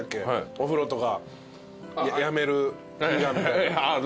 お風呂とかやめる日がみたいな。